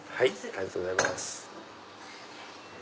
ありがとうございます。